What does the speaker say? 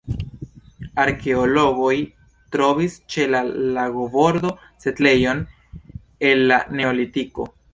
Arkeologoj trovis ĉe la lagobordo setlejon el la neolitiko.